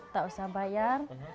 tak usah bayar